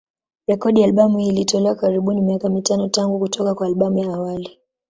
Rekodi ya albamu hii ilitolewa karibuni miaka mitano tangu kutoka kwa albamu ya awali.